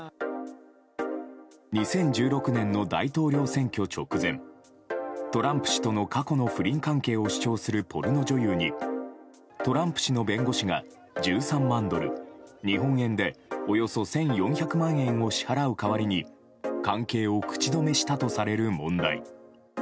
２０１６年の大統領選挙直前トランプ氏との過去の不倫関係を主張するポルノ女優にトランプ氏の弁護士が１３万ドル日本円でおよそ１４００万円を支払う代わりに関係を口止めしたとされる問題。